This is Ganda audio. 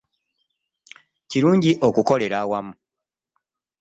Kirungi okukolera awamu.